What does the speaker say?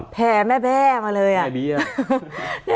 แผ่แม่แพ่มาเลยอะ